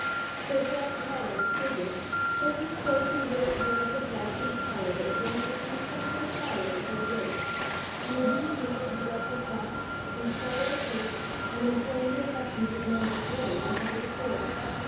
They thrust Paul into prison, but he spoke and wrote words of life and power that burn with unquenchable fire of the Holy Ghost, and are doing more to direct the thought, inspire the faith and inflame the affections of men to day than ever be fore.